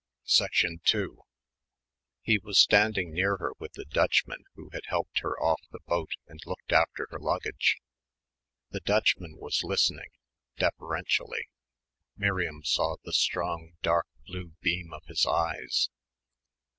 2 He was standing near her with the Dutchman who had helped her off the boat and looked after her luggage. The Dutchman was listening, deferentially. Miriam saw the strong dark blue beam of his eyes.